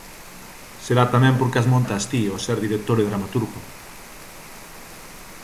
Será tamén porque as montas ti, ao ser director e dramaturgo.